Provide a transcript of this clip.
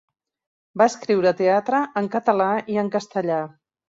Va escriure teatre en català i castellà.